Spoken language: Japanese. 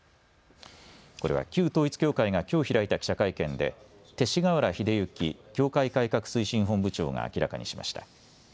これは旧統一教会がきょう開いた記者会見で勅使河原秀行教会改革推進本部長が明らかにしました。